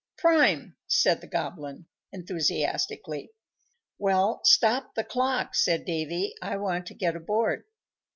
"Prime!" said the Goblin, enthusiastically. "Well, stop the clock," said Davy; "I want to get aboard."